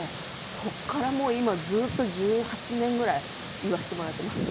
そこからもう今ずっと１８年ぐらい言わせてもらってます。